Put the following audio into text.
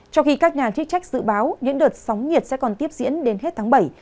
trong khi các nhà chức trách dự báo những đợt sóng nhiệt sẽ còn tiếp diễn đến hết tháng bảy